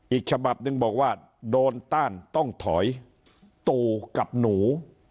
อีกฉบับหนึ่งบอกว่าโดนต้านต้องถอยตู่กับหนู